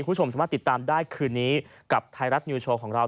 คุณผู้ชมสามารถติดตามได้คืนนี้กับไทยรัฐนิวโชว์ของเรา